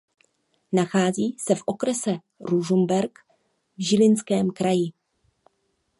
Nachází se v okrese Ružomberok v Žilinském kraji.